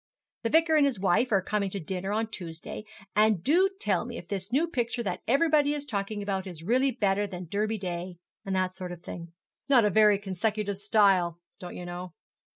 The vicar and his wife are coming to dinner on Tuesday, and do tell me if this new picture that everybody is talking about is really better than the Derby Day," and that sort of thing. Not a very consecutive style, don't you know.'